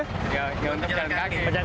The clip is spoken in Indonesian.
ya untuk jalan kaki